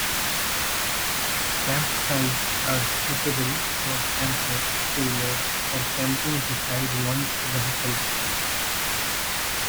Campsites are suitable for camper trailers or camping beside ones vehicle.